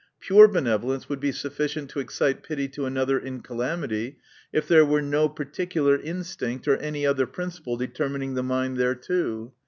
Pure benevolence would be sufficient to excite pity to another in calamity, if there were no particular instinct, or any other principle determining the mind there to.